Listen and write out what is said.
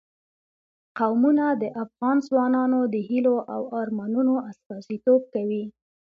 قومونه د افغان ځوانانو د هیلو او ارمانونو استازیتوب کوي.